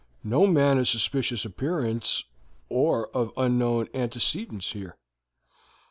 'No man of suspicious appearance or of unknown antecedents here.'